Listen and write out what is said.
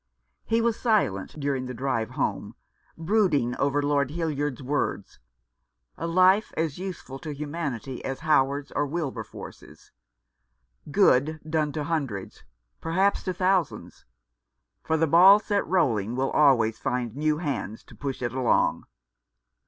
He was silent during the drive home, brooding 368 A Neiv Development. over Lord Hildyard's words— a life as useful to humanity as Howard's or Wilberforce's — good done to hundreds — perhaps to thousands ; for the ball set rolling will always find new hands to push it along.